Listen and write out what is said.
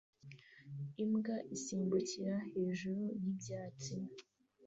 Imbwa isimbukira hejuru y'ibyatsi